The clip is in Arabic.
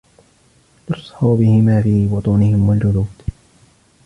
يصهر به ما في بطونهم والجلود